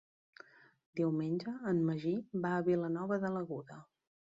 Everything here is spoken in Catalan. Diumenge en Magí va a Vilanova de l'Aguda.